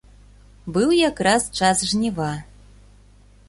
Быў якраз час жніва.